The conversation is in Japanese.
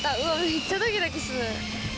めっちゃドキドキする。